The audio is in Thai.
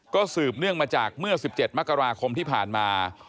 ก็สืบเนื่องมาจากเมื่อ๑๗มกราคมที่ผ่านมา